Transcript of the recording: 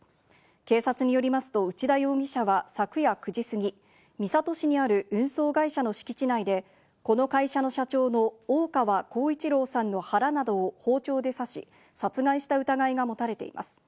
警察によりますと内田容疑者は昨夜９時過ぎ、三郷市にある運送会社の敷地内で、この会社の社長の大川幸一郎さんの腹などを包丁で刺し、殺害した疑いが持たれています。